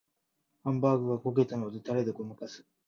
ハンバーグが焦げたのでタレでごまかす